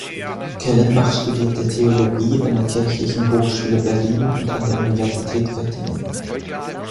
Kellenbach studierte Theologie an der Kirchlichen Hochschule Berlin und an der Universität Göttingen.